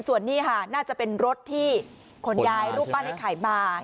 ส่วนนี้ค่ะน่าจะเป็นรถที่ขนย้ายรูปปั้นไอ้ไข่มา